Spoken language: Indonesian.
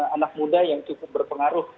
anak muda yang cukup berpengaruh